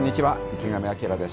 池上彰です。